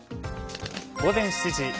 午前７時。